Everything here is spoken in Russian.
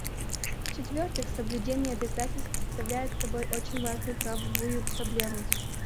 В-четвертых, соблюдение обязательств представляет собой очень важную правовую проблему.